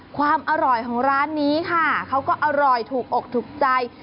ความอร่อยของร้านนี้ค่ะเขาก็อร่อยถูกอกถูกใจ